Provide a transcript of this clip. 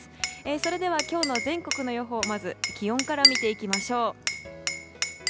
それでは今日の全国の予報まず気温から見ていきましょう。